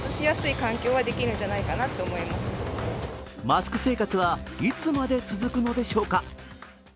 マスク生活はいつまで続くのでしょうか。